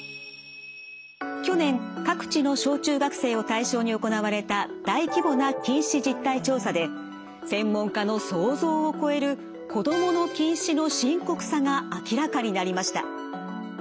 去年各地の小中学生を対象に行われた大規模な近視実態調査で専門家の想像を超える子どもの近視の深刻さが明らかになりました。